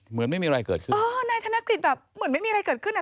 เหมือนไม่มีอะไรเกิดขึ้นอ๋อนายธนกฤษแบบเหมือนไม่มีอะไรเกิดขึ้นอ่ะ